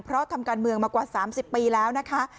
เพราะทำการเมืองมากว่า๓๐ปีแล้วนะคะ